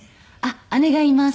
姉がいます。